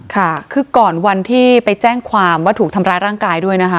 ค่ะคือก่อนวันที่ไปแจ้งความว่าถูกทำร้ายร่างกายด้วยนะคะ